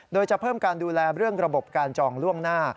โดยจะเพิ่มการดูแลเรื่องระบบการจองล่วงหน้า